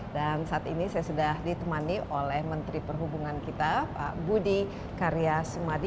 dan saat ini saya sudah ditemani oleh menteri perhubungan kita pak budi karyasumadi